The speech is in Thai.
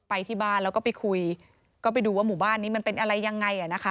เราก็ไปคุยก็ไปดูว่าหมู่บ้านนี้มันเป็นอะไรยังไง